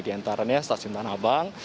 diantaranya stasiun tanah abang